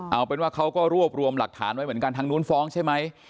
เอาเป็นว่าเขาก็รวบรวมหลักฐานไว้เหมือนกันทางนู้นฟ้องใช่ไหม